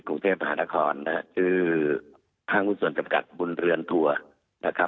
กรุงเทพฯนาฆรภรรณ์ซึ่งผ้าผู้ส่วนจำกัดบุรเยือนทัวร์